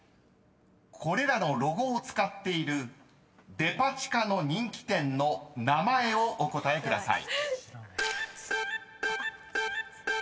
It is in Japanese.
［これらのロゴを使っているデパ地下の人気店の名前をお答えください］